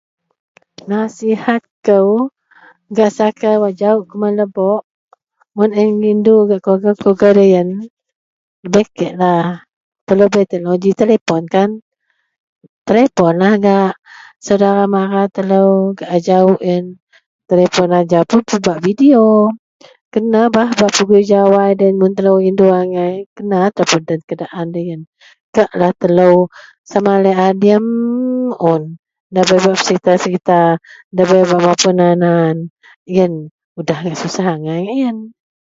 Nasihat kou gak sakai wak jawok kuman lebok mun a iyen rindu gak keluarga-keluarga doloyen dabei kek lah telo bei teknoloji telepon kan telepon lah gak saudara mara telo gak a jawok iyen. telepon ajau puon pebak video kena bah bak pegui jawai mun telo rindu angai, kak lah laei telo diyem un dabei bak serita dabei bak mapoun a an iyen udah ngak susah agei ngak iyen.